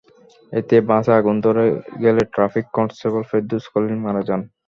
এতে বাসে আগুন ধরে গেলে ট্রাফিক কনস্টেবল ফেরদৌস খলিল মারা যান।